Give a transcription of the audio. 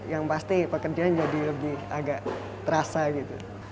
yang pasti pekerjaan jadi lebih agak terasa gitu